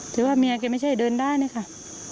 แต่ว่าเมียเขาไม่ใช่เดินได้นี่ค่ะ